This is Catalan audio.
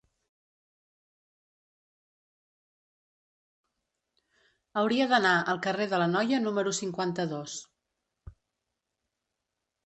Hauria d'anar al carrer de l'Anoia número cinquanta-dos.